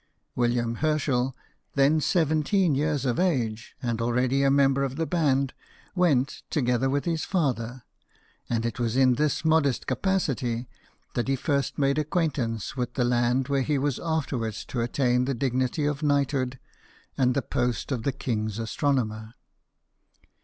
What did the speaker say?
William Her schel, then seventeen years of age, and already a member of the band, went together with his father ; and it was in this modest capacity that he first made acquaintance with the land where he was afterwards to attain the dignity of knight hood and the post of the king's astronomer.